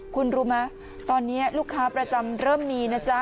คุณรู้ไหมตอนนี้ลูกค้าประจำเริ่มมีนะจ๊ะ